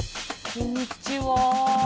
こんにちは。